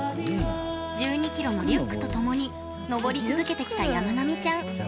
１２ｋｇのリュックと共に登り続けてきた、やまなみちゃん。